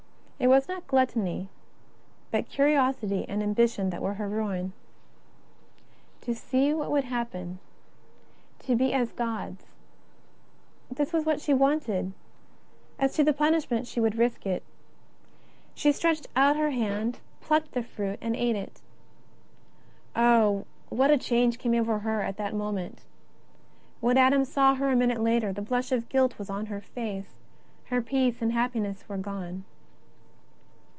It was not gluttony, but curiosity and ambition that were her ruin. To 26 JESUS OF NAZARETH. see what would happen; to be as Gods, this was what she wanted; as to the punishment slie would risk it. She stretched out her hand, plucked the fruit, and ate it. Oh, what a change came over her in that moment ! When Adam saw her a minute later, the blush of guilt was on her face, her peace and happiness were gone.